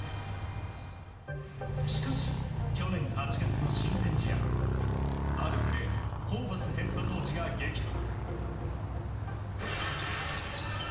しかし、去年８月の親善試合あるプレーにホーバスヘッドコーチが激怒。